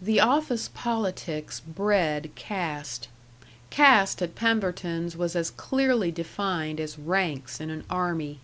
The office politics bred caste. Caste at Pemberton's was as clearly defined as ranks in an army.